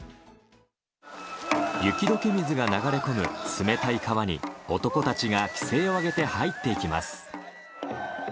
雪どけ水が流れ込む冷たい川に男たちが奇声を上げて入っていきます。